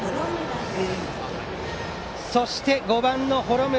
そして、５番の幌村。